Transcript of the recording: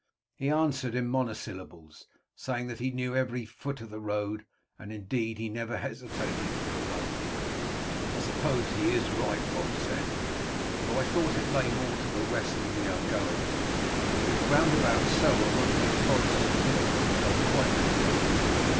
He answered in monosyllables, saying that he knew every foot of the road, and indeed he never hesitated for a moment. "I suppose he is right," Wulf said, "although I thought it lay more to the west than we are going, but we have wound about so among these forests and hills that I am quite confused.